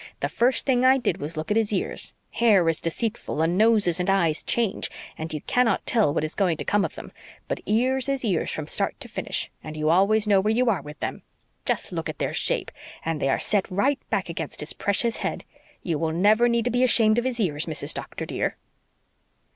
"The first thing I did was to look at his ears. Hair is deceitful and noses and eyes change, and you cannot tell what is going to come of them, but ears is ears from start to finish, and you always know where you are with them. Just look at their shape and they are set right back against his precious head. You will never need to be ashamed of his ears, Mrs. Doctor, dear."